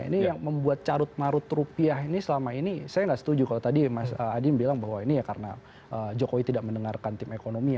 ini yang membuat carut marut rupiah ini selama ini saya nggak setuju kalau tadi mas adin bilang bahwa ini ya karena jokowi tidak mendengarkan tim ekonomi